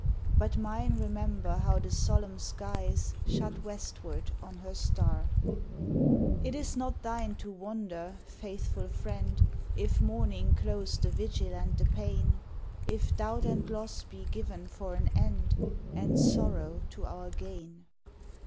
But mine remember how the solemn skies Shut westward on her star. A DOG WAITS HIS DEAD MISTRESS It is not thine to wonder, faithful friend, If Morning close the vigil and the pain, If doubt and loss be given for an end And sorrow to our gain.